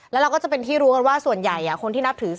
แล้วเราก็จะเป็นที่รู้กันว่าส่วนใหญ่คนที่นับถือ